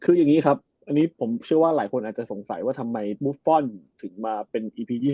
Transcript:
คืออย่างนี้ครับอันนี้ผมเชื่อว่าหลายคนอาจจะสงสัยว่าทำไมบุฟฟอลถึงมาเป็นอีพียี่